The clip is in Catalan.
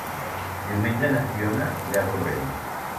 Diumenge na Fiona irà a Torrent.